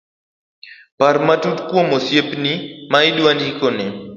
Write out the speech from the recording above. par matut kuom osiepni ma idwa ndikone